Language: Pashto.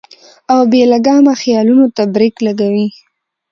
او بې لګامه خيالونو ته برېک لګوي -